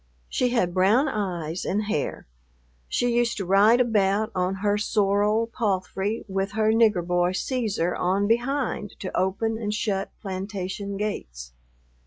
She had brown eyes and hair. She used to ride about on her sorrel palfrey with her "nigger" boy Cæsar on behind to open and shut plantation gates.